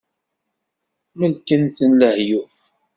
Melken-ten lehyuf.